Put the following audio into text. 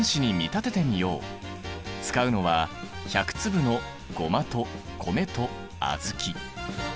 使うのは１００粒のゴマと米と小豆。